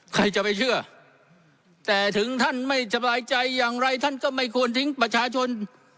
ใครจะไปเชื่อแต่ถึงท่านไม่สบายใจอย่างไรท่านก็ไม่ควรทิ้งประชาชน